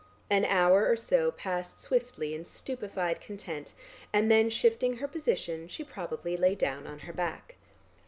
An hour or so passed swiftly in stupefied content, and then shifting her position she probably lay down on her back.